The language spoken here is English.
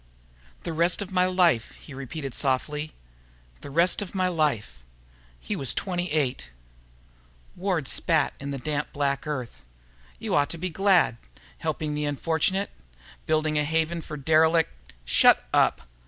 "The rest of my life," he repeated softly. "The rest of my life!" He was twenty eight. Wade spat in the damp black earth. "You ought to be glad helping the unfortunate, building a haven for the derelict...." "Shut up!"